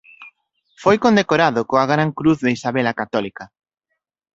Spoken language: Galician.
Foi condecorado coa Gran Cruz de Isabel a Católica.